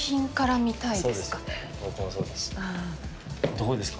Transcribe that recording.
どうですか？